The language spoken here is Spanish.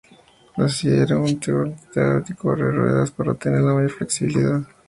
La silla era un taburete rotatorio con ruedas para obtener la mayor flexibilidad.